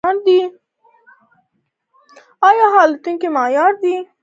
آیا هوټلونه معیاري دي؟